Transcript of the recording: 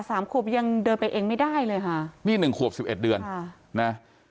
สามขวบยังเดินไปเองไม่ได้เลยค่ะนี่หนึ่งขวบสิบเอ็ดเดือนค่ะนะ